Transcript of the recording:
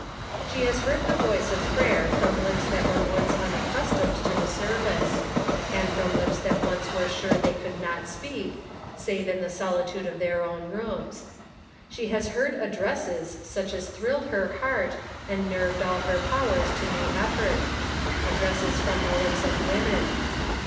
" She has heard the voice of prayer from lips that once were unaccustomed to the service ; and from lips that once were sure they could not speak, save in the solitude of their own rooms. She has heard addresses such as thrilled her heart, and nerved all her powers to new effort ; addresses from the lips of women.